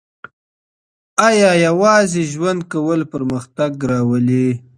آیا یوازې ژوند کول پرمختګ راولي؟